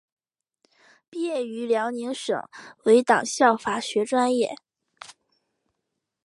毕业于辽宁省委党校法学专业。